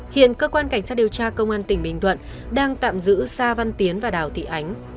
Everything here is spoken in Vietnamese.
hiện cơ quan cảnh sát điều tra công an tỉnh bình thuận đang tạm giữ sa văn tiến và đào thị ánh